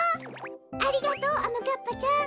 ありがとうあまかっぱちゃん。